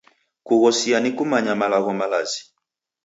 Kughosia ni kumanya malagho malazi.